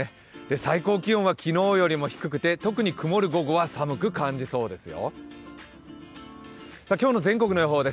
最高気温は昨日より低くて特に曇る午後は寒く感じそうですよ。